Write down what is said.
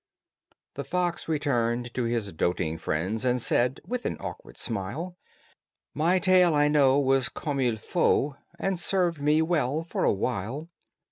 The fox returned to his doting friends And said, with an awkward smile, "My tail I know was comme il faut, And served me well for a while."